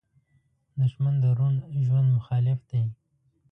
دښمن د روڼ ژوند مخالف دی